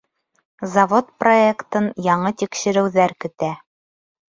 Завод проектын яңы тикшереүҙәр көтә.